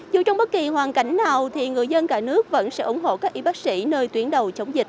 dù trong bất kỳ hoàn cảnh nào thì người dân cả nước vẫn sẽ ủng hộ các y bác sĩ nơi tuyến đầu chống dịch